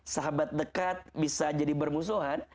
sahabat dekat bisa jadi bermusuhan